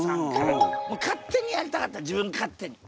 もう勝手にやりたかった自分勝手に。